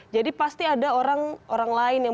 jadi pasti ada orang lain yang